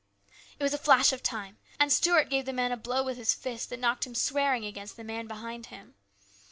It was a flash of time, and Stuart gave the man a blow with his fist that knocked him swearing against a man behind him.